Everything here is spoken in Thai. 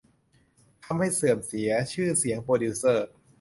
ทำให้เสื่อมเสียชื่อเสียงโปรดิวเซอร์